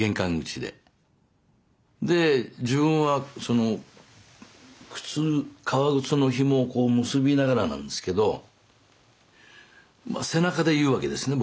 で自分は革靴のひもをこう結びながらなんですけど背中で言うわけですね